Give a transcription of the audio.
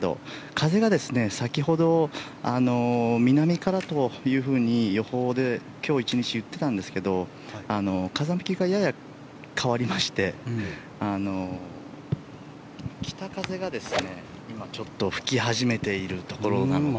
風が先ほど南からと予報で今日１日言っていたんですが風向きがやや変わりまして北風が今、ちょっと吹き始めているところなので。